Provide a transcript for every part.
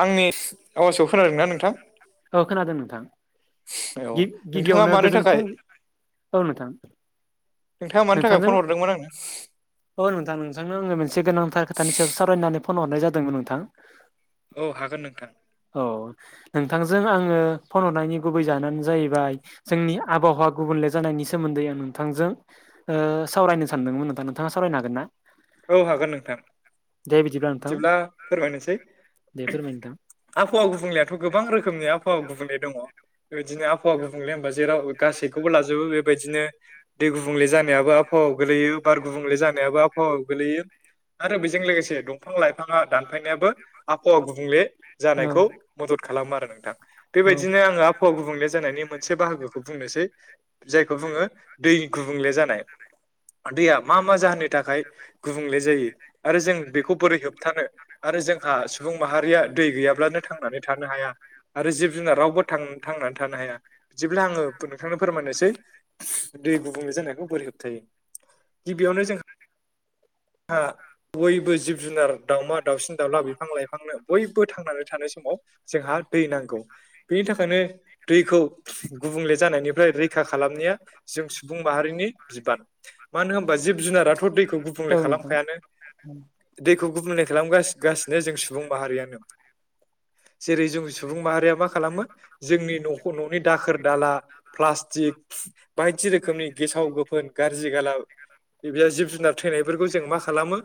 आंनि आवासौ औ खोनादों नोंथां। औ नोंथाङा गिबियावनो मानो गोजोन थाखाय फुं औ नोंथां नोंथाङा मानो थाखाय नोंथांजों फन हरदोंमोन आंनो? औ नोंथां नोंथांनो आङो मोनसे गोनांथार खोथानि सायावसो सावरायनो होननानै फन हरनाय जादोंमोन नोंथां। औ हागोन नोंथां। अ नोंथांजों आङो फन हरनायनि गुबै जाहोनानो जाहैबाय जोंनि आबहावा गुबुन ले जानायनि सोमोन्दै आं नोंथांजों ओ सावरायनो सानदोंमोन नोंथा नोंथाङा सावरायनो हागोन ना? औ हागोन नोंथां दे नोंथां बिदिब्ला फोरमायनोसै। दे फोरमाय नोंथां आबहावा गुबुंलायाथ' गोबां रोखोमनि आहावा गुबुंले दङ' बेबिदिनो आबहावा गुबुंले होनबा जेराव गासैखौबो लाजोबो बेबायदिनो दै गुबुंले जानायाबो आबहावा औ गोलैयो बार गुबुंलै जानायाबो आब हावायाव गोलैयो आरो बेजों लोगोसे दंफां-लाइफाङा दानफायनायाबो आबहावा गुबुंले औ जानायखौ मदद खालामो आरो नोंथां औ बेबायदिनो आङो आबहावा गुबुंले जानायनि मोन मोनसे बाहागोखौ बुंनोसै जायखौ बुङो दै गुबुंले जानाय। दैया मा मा जाहोननि थाखाय गुबुंले जायो आरो जों बेखौ बोरै होबथानो आरो जों हा सुबुं माहारिया दै गैयाब्लानो थांनानै थानो हाया आरो जिब जुनार रावबो थां थांनानै थानो हाया हाया बिदिब्ला आङो नोंथांनो फोरमायनोसै दै गुबुंल जानाय खौ बोरै होबथायो गिबियावनो जों हा बयबो जिब-जुनार दावउमा, दावसिन-दाउला बिफां-लाइफांनो बयबो थांनानै थानाय समाव जोंहा दै नांगौ बेनि थाखायनो दैखौ गुबुंले जानायनिफ्राय रैखा खालामनाया जों सुबुं माहारिनि बिबान‌ मानो होमबा जिब-जुनाराथ' दैखौ गुबुंले औ खालाम नोंथां खायानो दैखौ गुबुंले खालमगास गासिनो जों सुबुं माहारियानो। जेरै जों सुबुं माहारिया मा खालामो जोंनि न'ख न'नि दाखोर दाला प्लास्टिक बायदि रोखोमनि गेसाव गोफोन गारजि-गाला [unintelligible] जिब-जुनार थैनायफोरखौ जों मा खालामो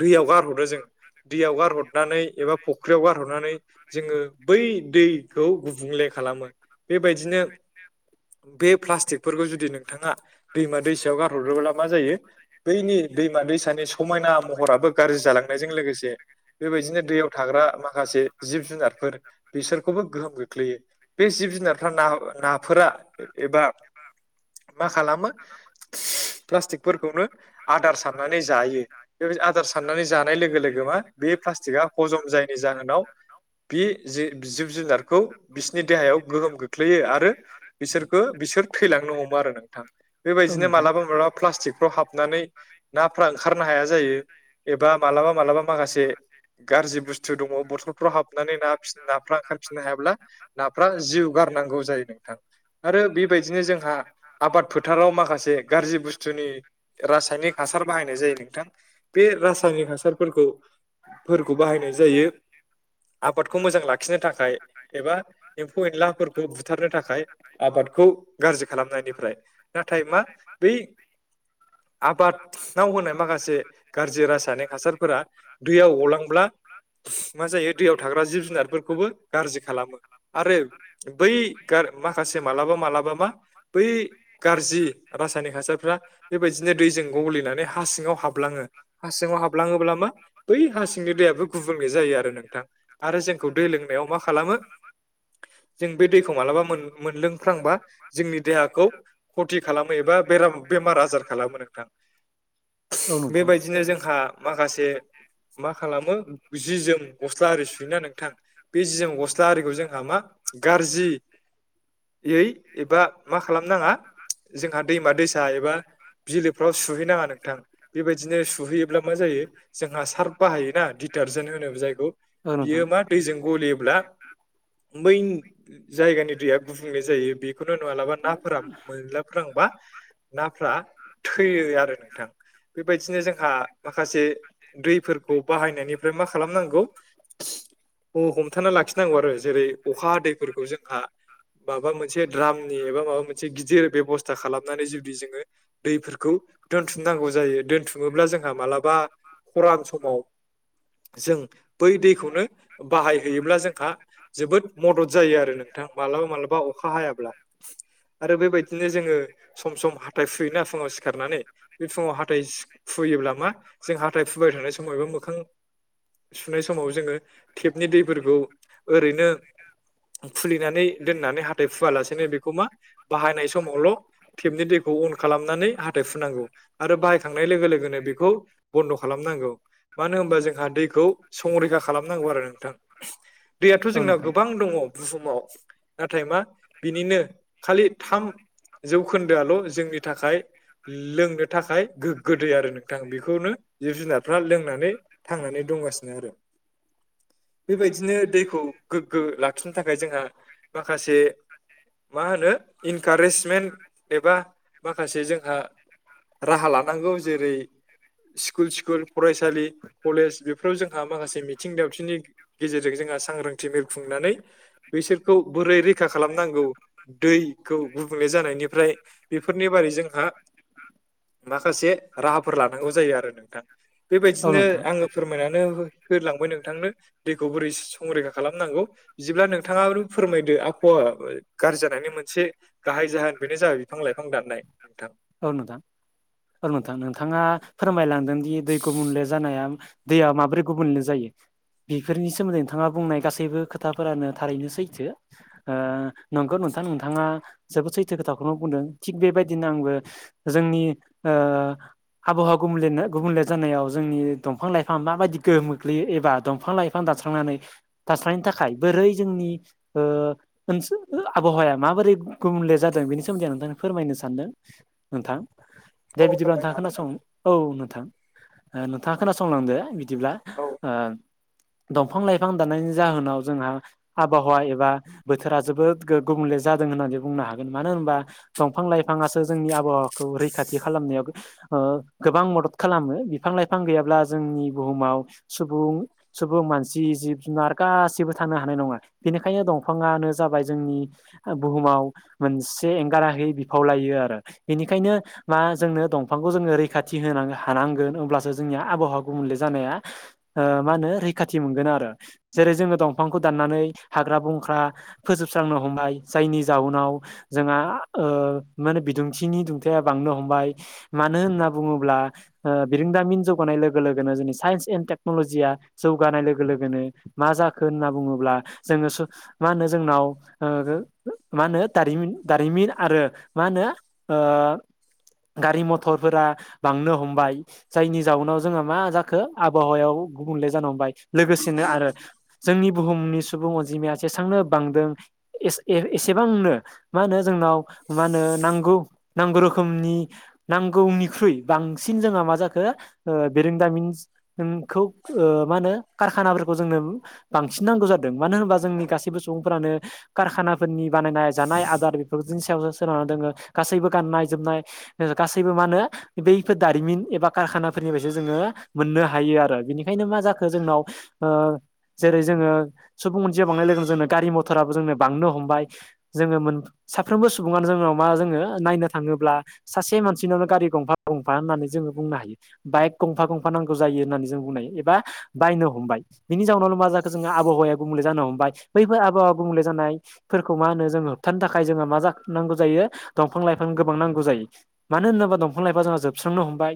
दैयाव गारहरदो जों। दैयाव गारहदनानै एबा फुख्रियाव गारहरनानै जोङो बै खौ गुबुंले खालामो बेबायदिनो बे प्लास्टिकफोरखौ जुदि नोंथाङा दैमा दैसायाव गारहरोब्ला मा जायो दैनि-दैमा दैसानि समायना महराबो गाज्रि जालांनायजों लोगोसे बेबायदिनो दैयाव था बा माखासे जिब-जारफोर बिसोर खौबो गोहोम खोख्लैयो बे जिब-जुनारफ्रा ना नाफोरा एबा मा खालामो प्लास्टिकफोरखौनो आदार साननानै जायो बे आदार साननानै जानाय लोगो लोगो मा बे प्लास्टिकआ हजम जायनि जाहोनाव बि जे जिब -जुनारखौ बिसोनि देहायाव गोहोम खोख्लैयो आरो बिसोरखो बिसोर थैलांनो हमा ओ नोंथां औ बेबायदिनो‌ नोंथां मालाबा मालाबा प्लासटिकफ्राव हाब नानै नाफोरा ओंखारनो हाया जायो एबा मालाबा मालाबा माखासे गाज्रि बु स्थु दङ' बथलफ्राव हाबनानै नाफिस ना फ्रा ओंखारफिननो हायाब्ला नाफ्रा जिउ गारनांगौ जायो नोंथां आरो बेबायदिनो जोंहा आबाद फोथाराव माखासे गारजि बुस्थुनि रासायनिक हासार बाहायनाय जायो नोंथां। बे रासायनिक हासारफोरखौ फोरखौ बाहायनाय जायो आबादखौ मोजां लाख खिनो थाखाय एबा एम्फौ एनलाफोरखौ बुथारनो थाखाय आबादखौ गारजि खालामनाय निफ्राय नाथाय मा बै आबादाव होनाय माखासे गाज्रि रासायनिक हासारफोरा दैयाव गलांब्ला मा जायो दैयाव थाग्रा जिब जुनारबो खौबो गारजि खालामो आरो बै गार माखासे मालाबा मालाबा मा बै गारजि रासायनिक हासारफ्रा बेबायदिनो दैजों ग'लिनानै हा सिङाव हाबलाङो हा सिङाव हाबलाङोब्ला मा बै हासिंनि दैया बो गुबुंल जायो आरो नोंथां आरो जोंखौ दै लोंनायाव मा खालामो जों बै दैखौ मालाबा मोन मोनलोंख्रांबा जोंनि देहाखौ खथि खालामो एबा बे बेमार आजार खालामनो नोंथां औ नोंथां बेबायदिनो जोंहा माखासे मा खालामो जि जोम गस्ला आरि ना नोंथां बे जि जोम गस्ला आरिखौ जोंहा मा गाज्रि यै एबा मा खालामनाङा जोंहा दैमा दैसा एबा बिलोफ्राव सुहैनाङा नोंथां बेबायदिनो सुहैयोब्ला मा जायो जोंहा सार्फ बाहायोना दिटार जोन होनो जायखौ औ बियो नोंथां मा दैजों गलियोब्ला बै जायगानि दैया गुबुंले जायो बे बेखौनो नुङालाबा नाफोरा मोनजा फोलांबा नाफोरा थैयो आरो नोंथां बेबायदिनो जोंहा माखासे दैफोरखौ बाहायनायनिफ्राय मा मा खालामनांगौ ह हमथाना लाखिनांगौ आरो जेरै अखा दैफोरखौ जोंहा माबा मोनसे द्राम एबा माबा मोनसे गिदिर बेबस्था खालामनानै जुदि जोङो दैफोरखौ दोनथुमनांगौ जायो दोनथुमोब्ला जोंहा मालाबा खरान समाव जों बै दैखौनो बाहायहैयोब्ला जोंहा जोबोद मदद जायो आरो नोंथां मालाबा मालाबा अखा हायाब्ला आरो बेबायदिनो जोङो सम सम हाथाय फुयोना फुङाव सिखारनानै बे फुङाव हाथाथाय फुयोब्ला मा जों हाथाय फुबाय थानाय समावबो मोखां सुनाय समाव जोङो टेपनि दैफोरखौ ओरैनो खुलिनानै दोननानै हाथाय फुवालासेनो बेखौ मा बाहायनाय समावल तेबनि दैखौ उन नानै हाथथाय फुनांगौ आरो बाहायखांनाय लोगो लोगोनो बेखौ बन्द खालामनांगौ मानो होनबा जोंहा दैखौ संरैखा खालामनांगौ आरो नोंथां दैयाथ औ जोंना नोंथां गोबां दङ बुहुमाव नाथाय मा बिनिनो खालि थाम जौखोन्दोआल जोंनि थाखाय लोंनो थाखाय गोग्गो दैै आरो नोंथां बेखौनो जिब जुनार फ्रा लोंनानै थांनानै दंगासिनो आरो बेबायदिनो दैखौ गोग्गो लाखिनो थाखाय जोंहा माखासे मा होनो इनकारेजमेन्ट एबा माखासे जों राहा लानांगौ जेरै स्कुल स्कुल फरायसालि कलेज बेफोराव जोंहा माखासे मिथिं दावथिंनि गेजेरजों जों जोंहा सांग्रांथि मेल खुंनानै बैसोरखौ बोरै खालामनांगौ दैखौ गुबुंले जानायनिफ्राय बेफोरनि बारै जोंहा [inaudible] माखासे राहाफोर लानांगौ जायो आरो नोंथां औ बेबायदिनो नोंथां आङो फोरमायनानै होलांबाय नोंथांनो दैखौ बोरै संरैखा खालामनांगौ बिदिब्ला नोंथाङाबो फोरमायदो आबहावा अआ गाज्रि जानायनि मोनसे गाहाय जाहोन बेनो जाबाय बिफां लाइफां दाननाय नोंथां औ नोंथां औ नोंथां नोंथाङा फोरमायलांदों दि दैखौ गुबुंले जानाया दैया माब्रै गुबुनले जायो बेफोरनि सोमोन्दै नोंथाङा बुंनाय गासैबो खोथाफोरानो थारैनो सैथो ओ नंगौ न थां नोंथाङा जोबोर से खोथाखौनो बुंदों थिग बेबायदिनो आंबो जोंनि हबहावा गुब गुबुंले जानायाव जोंनि दंफां लाइफां माबायदि गोहोम गोग्लैयो एबा दफां लाइफां द थाखाय बोरै जोंनि आबहावा माबोरै गुबुनलेे जादों बेनि सोमोन्दै आं नोंथांनो फोरमायनो सानदों नोंथां दे औ बिदिब्ला फोरमायनो नोंथाङा हागोन खोनासं नोंथां औ नोंथां नोंथाङा खोनासंलांदो बिदिब्ला औ ओ दंफां लाइफां दानायनि जाहोनाव जोंहा आबहावा एबा बोथोरा जोबोद गुबुंले जादों होननानै बुंनो हागोन मानो होनबा दंफां लाइफाङासो जोंनि आबहावाखौ रैखाथि खालामनायाव ओ गोबां म दद खालामो बिफां लाइफां गैयाब्ला जोंनि बुहुमाव सुबुं सुबुं मानसि जिब जुना र गासिबो थानो हानाय नङा बेनिखायनो दंफाङानो जाबाय जोंनि ओ बुहुमाव मोनसे एंगार हायै बिफाव लायो आरो बेनिखायनो मा जोंनो दंफांखौ जोङो रैखाथि होनांग हानांगोन हब्लासो जोंनि आबहावा गुबले जानाया ओ मा होनो रैखाथि मोनगोन आरो। जेरै जोङो दंफांखौ दाननानै हाग्रा बंख्रा फोजोबस्रांनो हमबाय जायनि जाउनाव जोंहा ओ माने बिदुंथिनि दुंथाया बांनो हमबाय मानो होनना बुङोब्ला ओ बिरोंदामिन जौगानाय लोगो लोगोनो जोंनि साइन्स एन्ड टेक्न'लजिया जौगानाय लोगो लोगोनो मा जाखो होनना बुङोब्ला जोङो मा होनो जोंनाव ओ मा होनो दारिमिन दारिमिन आरो मा होनो ओ गारि मथरफोरा बांनो हमबाय जायनि जाउनाव जोंहा मा जाखो आबहावायाव गुबले जानो हबाय लोगोसेनो आरो जोंनि बुहुमनि सुबुं अनजिमाया जेसेबांनो बांदों ए-ए- एसेबांनो मा होनो जोंनाव मा होनो नांगौ नांगौ रोखोमनि नांगौनिख्रुइ बांसिन जोंहा मा जाखो ओ बेरोंदामिन नोंखौ ओ मा होनो कारखानाफोरखौ जोंनो बांसिन नांगौ जादों मानो होनोबा जोंनि गासैबो सिबो सुबुंफोरानो कारखानाफोरनि बानायनाय जानाय आदार बेफोरखौ नि सायाव सोनारना दोङो गासैबो गाननाय जोमनाय ओ गासैबो मा होनो बैफोर दारिमिन एबा कारखानाफोरनिफ्रायसो जोङो मोननो हायो आरो बेनिखायनो मा जाखो जोंनाव ओ जेरै जोङो सुबुं अनजिया बांनाय लोगोनो जोंनो गारि मथराबो जोंनो बांनो हमबाय जोङो मोन साफ्रोमबो सुबुङानो जोंनाव मा जोङो नायनो थाङोब्ला सासे मानसिनावनो गारि गंफा गंफा होननानै जोङो बुंनो हायो बाइक गंफा गंफा नांगौ जायो होननानै जों बुंनो हायो बा बायनो हमबाय बिनि जाउनावल' मा जाखो जोङो आबहावाया गुबुंले जानो हमबाय बैफोर आबावा गुबुंले जानाय नाय फोरखौ मा होनो जों होबथानो थाखाय जों मा नांगौ जायो दफां लाइफां गोबां नांगौ जायो मानो होनोबा दंफां लाइफां जा फोजोबस्रांनो हमबाय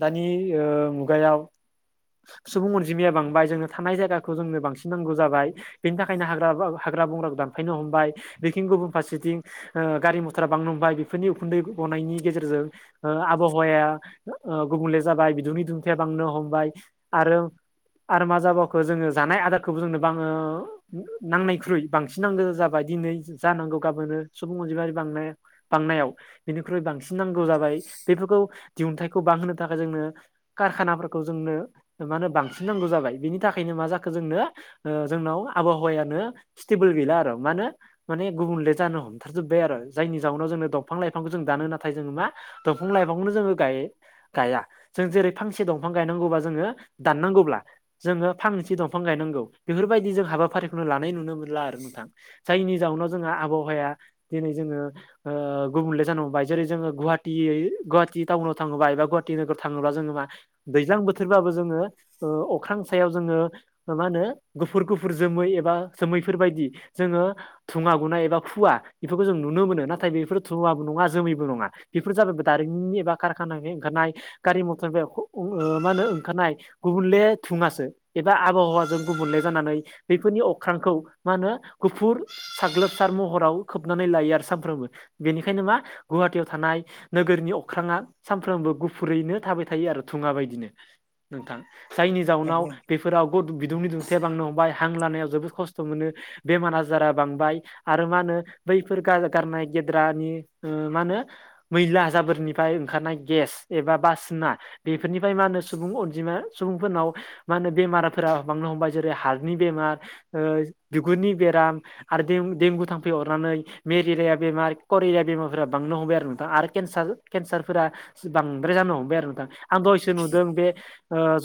दानि ओ मुगायाव सुबुं अनजिमाया बांबाय जोंनो थानाय जायगाखौ जोंनो बांसिन नांगौ जाबाय बेनि थाखायनो हाग्रामाबो हाग हाग्रा बंग्राखौ दानफायनो हमबाय बेखिं गुबुन फारसेथिं ओ गारि मथरा बांनोहमबाय बेफोरनि उखुन्दै गनायनि गेजेरजों ओ आब आबहावाया ओ गुबुंले जाबाय बिदुंनि दुंथाया बांनो हमबाय आरो आरो मा जाबावखो जोङो जानाय आदारखौबो जोंनो बां नांनायख्रुइ बांसिन नां जाबाय दिनै जानांगौ गाबोनो सुबुं अनजिमारि बांनाय बांनायाव बेनिख्रुइ बांसिन नांगौ जाबाय बेफोर खौ दिहुनथाइखौ बां होनोनो थाखाय जोंनो कारखानाफोरखौ जोंनो मा होनो बांसिन नांगौ जाबाय। बेनि थाखायनो मा जाखो जोंनो ओ जोंनाव आबहावायानो स्टेबोल गैला आरो मानो माने गुबुनले जानो हमथारजोब्बाय आरो जायनि जाउनाव जोंनो दंफां लाइफांखौ जों दानो नाथाय जोङो मा दंफां लाइफां फांखौनो जोङो गाय-गाया जों जेरै फांसे दंफां गायनांगौबा जोङो दाननांगौब्ला जोङो फांनैसे दंफां गायनांगौ बेफोर बायदि जों हाबाफारिखौनो लानाय नुनो मोनला आरो नोंथां जायनि जाउनाव जोंहा आबहावाया दिनै जोङो ओ गुबुंले जानो हबाय जेरै जोङो गुवाहाटियै गुवाहाटि टाउनाव थाङोबा एबा गुवाहाटि नोगाव थोङोबा जोङो मा दैज्लां थोरबाबो जोङो ओ अख्रां सायाव जोङो ओ मा होनो गुफुर गुफुर जोमै एबा सोमैफोर बायदि जोङो थुङा गुनाय एबा खुवा बेफोरखौ जों नुनो मोनो नाथाय बेफोर थुवाबो नङा जोमैबो नङा बेफोर जाबाय दार मिन बा कारखानानि ओंखारनाय गारि मथरनि अ ओ मा होनो ओंखारनाय गुबेंले थुंवा सो एबा आबहावाजों गुनले जानानै बेफोरनि अख्रांखौ मा होनो गुफुर साग्लोबसार महराव खोबनानै लायो आरो सामफ्रोमबो बेनिखायनो मा गुवाटियाव थानाय नो गोरनि अख्राङा सामफ्रोमबो गुफुरैनो थाबाय थायो आरो थुङा बायदिनो नोंथां जायनि जाउनाव नंगौ बेफोराव बदु-बिदुंनि दुंथाया बांनो हमबाय हां लानायाव जोबोद खस्थ' मोनो बेमार आ जारा बांबाय आरो मा होनो बैफोर गा- गारनाय गेद्रानि ओ मा होनो मै ला जाबोरनिफ्राय ओंखारनाय गेस एबा बासिना बेफोरनिफ्राय मा होनो सुबुं अनजिमा सुबुंफो रनाव मा होनो बेमाराफोरा बांनो हमबाय जेरै हार्टनि बेमार ओ बिगुरनि बेराम आरो देंगु थाम्फै अरनानै मेलेरिया बेमार करेरिया बेमारफोरा बांनो हमबाय आरो नोंथां आरो के नसार केनसारफोर बांद्राय जानो हमबाय आरो नोंथां आं दहायसो नुदों बे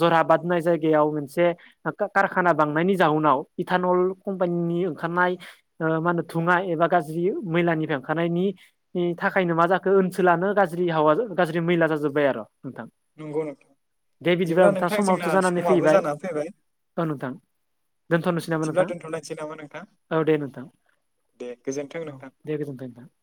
जराबाद होननाय जायगायाव मोनसे कारखाना बांनायनि जाहनाव इटानल कम्पानिनि ओंखारनाय ओ मा होनो धुङा एबा गाज्रि मैलानि बेंखनायनि थाखायनो मा जाखो ओनसोला नो गाज्रि हावा गाज्रि मैला जाजोब्बाय आरो नोंथां नंगौ नोंथां दे बिदिबा बिदिब्ला नोंथां समावथ जोंना जानानै समाबो फैबाय जानानै फैबाय औ नोंथां दोनथनोसै नामा बिदिब्ला नोंथां दोनथ'लायनोसै नामा नोंथां औ दे नोंथां दे गोजोन्थों औ नोंथां दे गोजोनथों नोंथां [inaudible]